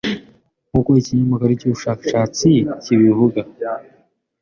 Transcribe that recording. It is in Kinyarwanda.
nkuko ikinyamakuru cy'ubushakashatsi kibivuga